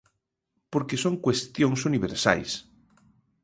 Porque son cuestións universais.